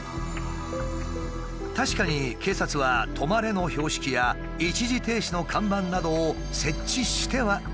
確かに警察は「止まれ」の標識や「一時停止」の看板などを設置してはいたが。